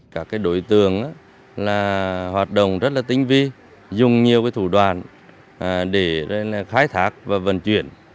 các đối tượng hoạt động rất tinh vi dùng nhiều thủ đoàn để khai thác